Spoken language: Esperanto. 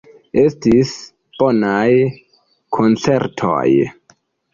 Estis bonaj koncertoj.